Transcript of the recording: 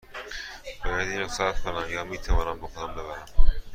باید این را ثبت کنم یا می توانم با خودم ببرم؟